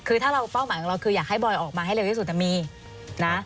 คือถ้าเราเป้าหมายของเราคืออยากให้บอยออกมาให้เร็วที่สุดมีนะ